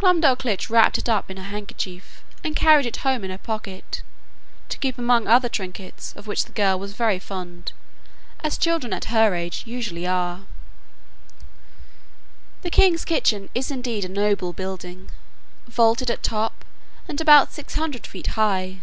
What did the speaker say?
Glumdalclitch wrapped it up in her handkerchief, and carried it home in her pocket, to keep among other trinkets, of which the girl was very fond, as children at her age usually are. The king's kitchen is indeed a noble building, vaulted at top, and about six hundred feet high.